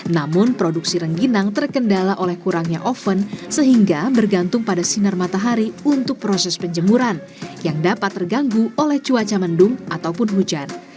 namun produksi rengginang terkendala oleh kurangnya oven sehingga bergantung pada sinar matahari untuk proses penjemuran yang dapat terganggu oleh cuaca mendung ataupun hujan